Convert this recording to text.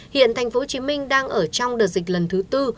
hiện tp hcm đang ở trong đợt dịch lần thứ tư